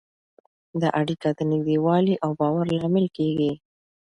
دا اړیکه د نږدېوالي او باور لامل کېږي.